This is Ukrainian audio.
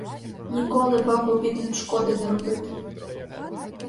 Ніколи, бабо, бідним шкоди не робитиму.